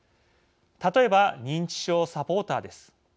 例えば、認知症サポーターです。